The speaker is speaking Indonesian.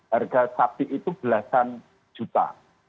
harga sapi itu belasan juta